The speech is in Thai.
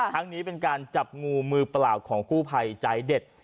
ทั้งนี้เป็นการจับงูมือเปล่าของกู้ภัยใจเด็ด